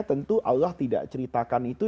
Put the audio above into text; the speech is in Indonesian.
tentu allah tidak ceritakan itu